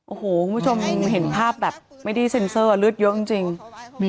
โอ้โหคุณผู้ชมเห็นภาพแบบไม่ได้เซ็นเซอร์เลือดเยอะจริง